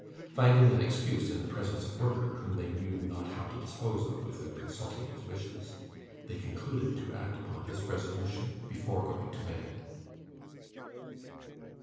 Finding an excuse in the presence of Brooker, whom they knew not how to dispose of without consulting his wishes, they concluded to act upon this resolution before going to bed.